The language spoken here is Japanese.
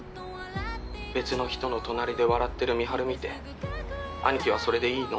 ☎別の人の隣で笑ってる美晴見て☎兄貴はそれでいいの？